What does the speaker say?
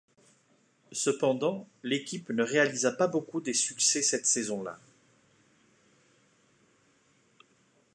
Cependant, l'équipe ne réalisa pas beaucoup des succès cette saison-là.